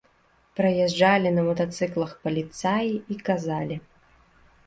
Праязджалі на матацыклах паліцаі і казалі.